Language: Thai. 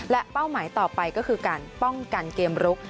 และเป้าหมายต่อไปก็คือการป้องกันเกมรุก